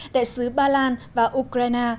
đại sứ ba lan và ukraine